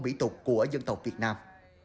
bỉ tục của dân tộc việt nam